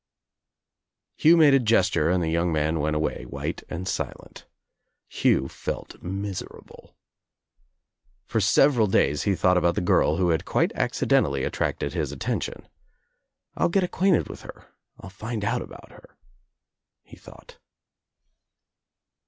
Hugh made a gesture and the young man went away, white and silent. Hugh felt miserable. For several days he thought about the girl who had quite accidentally attracted his attention. "I'll get ac quainted with her. I'll find out about her," he thought.